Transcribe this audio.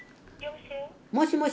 もしもし？